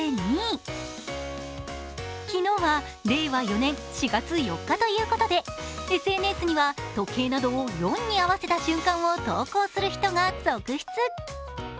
昨日は令和４年４月４日ということでＳＮＳには時計などを４に合わせた瞬間を投稿する人が続出。